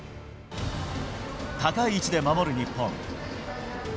高い位置で守る日本。